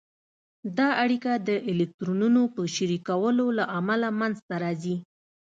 دا اړیکه د الکترونونو په شریکولو له امله منځته راځي.